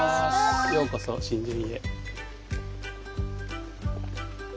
ようこそ眞珠院へ。